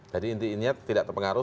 jadi intinya tidak terpengaruh